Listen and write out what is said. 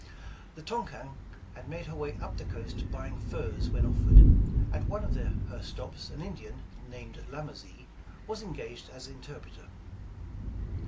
The Tonquin had made her way up the coast buying furs when offered. At one of her stops an Indian, named Lamazee, was engaged as interpreter.